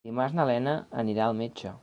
Dimarts na Lena anirà al metge.